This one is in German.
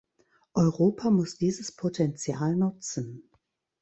Europa muss dieses Potenzial nutzen.